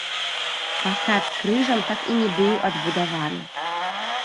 Фасад з крыжам так і не быў адбудаваны.